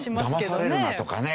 「だまされるな」とかね。